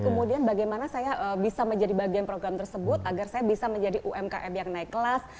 kemudian bagaimana saya bisa menjadi bagian program tersebut agar saya bisa menjadi umkm yang naik kelas